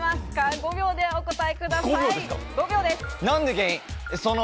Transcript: ５秒でお答えください。